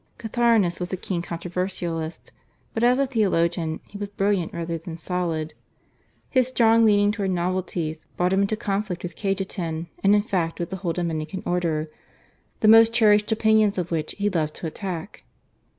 Catharinus was a keen controversialist, but as a theologian he was brilliant rather than solid. His strong leaning towards novelties brought him into conflict with Cajetan and in fact with the whole Dominican Order, the most cherished opinions of which he loved to attack.